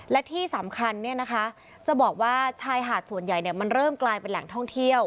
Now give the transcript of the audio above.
และที่สำคัญจะบอกว่าชายหาดส่วนใหญ่มันเริ่มกลายเป็นแหล่งท่องเที่ยว